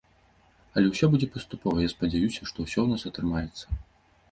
Але ўсё будзе паступова, і я спадзяюся, што ўсё ў нас атрымаецца.